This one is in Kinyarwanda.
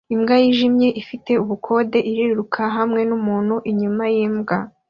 Imbwa yijimye ifite ubukode iriruka hamwe numuntu inyuma yimbwa